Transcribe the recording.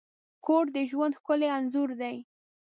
کور د ژوند ښکلی انځور دی.